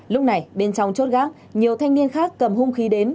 lúc này bên trong chốt gác nhiều thanh niên khác cầm hung khí đến